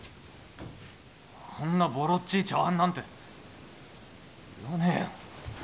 こんなボロっちい茶わんなんていらねえよ。